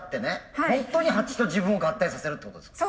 ホントに蜂と自分を合体させるってことですか？